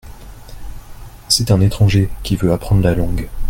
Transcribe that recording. C’est un étranger qui veut apprendre la langue.